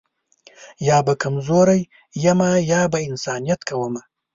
یا به کمزوری یمه یا به انسانیت کومه